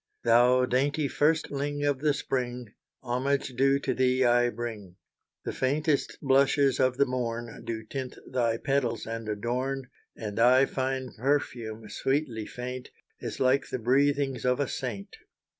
Thou dainty firstling of the spring, Homage due to thee, I bring. The faintest blushes of the morn Do tint thy petals and adorn, And thy fine perfume, sweetly faint, Is like the breathings of a saint.